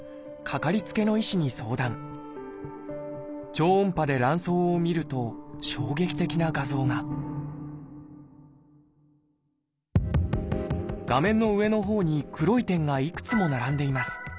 超音波で卵巣を見ると衝撃的な画像が画面の上のほうに黒い点がいくつも並んでいます。